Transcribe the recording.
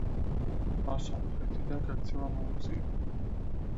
მას სომხეთიდან გაქცევა მოუწია.